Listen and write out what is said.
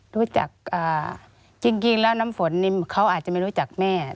รู้จักจริงแล้วน้ำฝนเขาอาจจะไม่รู้จักแม่